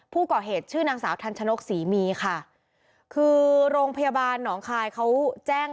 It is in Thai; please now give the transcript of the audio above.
ผู้ก่อเหตุชื่อนางสาวทันชนกศรีมีค่ะคือโรงพยาบาลหนองคายเขาแจ้ง